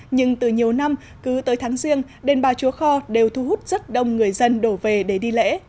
nhưng từ nhiều năm cứ tới tháng riêng đền bà chúa kho đều thu hút rất đông người dân đổ về để đi lễ